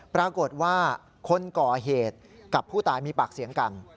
ปรากฏว่าคนก่อเหตุกับผู้ตายมีปากเสียงกัน